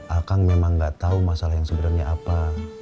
akang memang gak tahu masalah yang sebenarnya apa